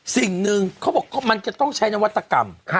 สิ่งหนึ่งเขาบอกมันจะต้องใช้นวัตกรรม